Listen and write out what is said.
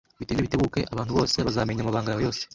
Bitinde bitebuke, abantu bose bazamenya amabanga yawe yose